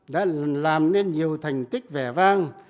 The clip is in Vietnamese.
đã làm nên nhiều thành tích vẻ vang